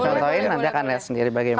contohin nanti akan lihat sendiri bagaimana